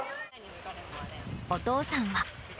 お父さんは。